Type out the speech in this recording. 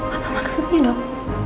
apa maksudnya dok